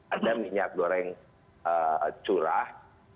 ada minyak goreng curah